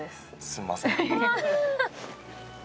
すんません。